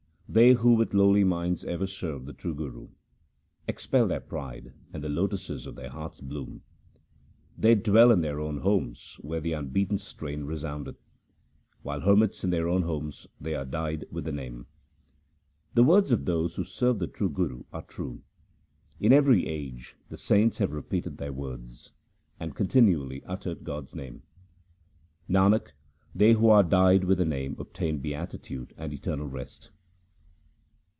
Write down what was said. They who with lowly minds ever serve the true Guru, Expel their pride, and the lotuses of their hearts bloom. They dwell in their own homes where the unbeaten strain resoundeth. While hermits in their own homes they are dyed with the Name. The words of those who serve the true Guru are true. In every age the saints have repeated their words, And continually uttered God's name. Nanak, they who are dyed with the Name obtain beatitude and eternal rest.